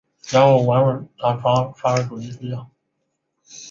法方已经对此进行了通报。